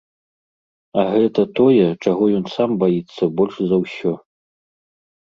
А гэта тое, чаго ён сам баіцца больш за ўсё.